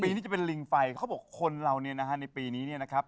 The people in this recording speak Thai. นี้จะเป็นลิงไฟเขาบอกคนเราเนี่ยนะฮะในปีนี้เนี่ยนะครับ